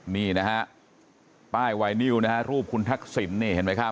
นี่นะฮะป้ายไวนิวนะฮะรูปคุณทักษิณนี่เห็นไหมครับ